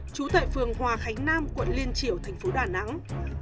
trú tại phường hòa khánh nam quận liên triều thành phố đà nẵng